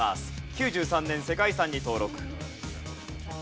９３年世界遺産に登録。